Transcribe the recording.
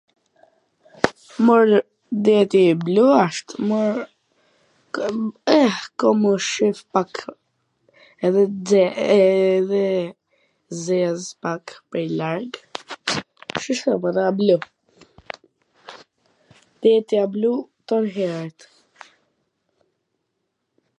Mor deti blu asht, ka m... e ka m u qit pak edhe ze ... edhe t zez pak, prej larg, shishto, po a blu. Deti a blu twr herwt.